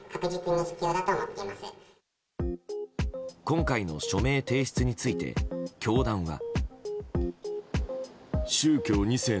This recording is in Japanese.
今回の署名提出について教団は。